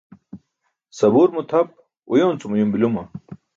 Sabuur mo tʰap uyoon cum uyum biluma?